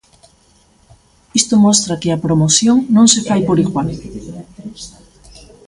Isto mostra que a promoción non se fai por igual.